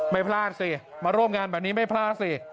ไม่พลาดสิมาร่วมงานแบบนี้ไม่พลาดสิ